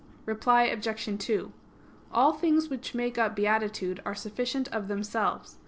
Reply Obj. 2: All things which make up beatitude are sufficient of themselves.